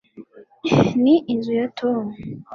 ni inzu ya tom